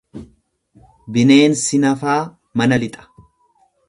Bineensi nafaa mana lixa.